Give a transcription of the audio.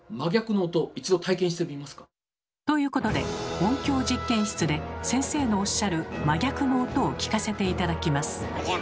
ということで音響実験室で先生のおっしゃる「真逆の音」を聞かせて頂きます。